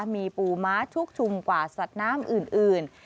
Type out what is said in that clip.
มีปูม้าชุกชุมกว่าสัตว์น้ำอื่น